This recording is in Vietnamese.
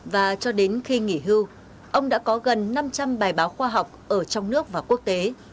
và cho đến khi nghỉ hưu ông đã có gần năm trăm linh bài báo khoa học ở trong nước và quốc tế